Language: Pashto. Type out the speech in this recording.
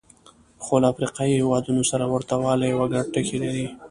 خو له افریقایي هېوادونو سره ورته والی او ګډ ټکي لري.